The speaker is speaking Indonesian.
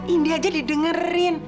ini aja didengerin